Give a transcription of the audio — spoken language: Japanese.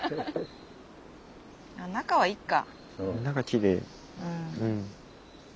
中はいっか。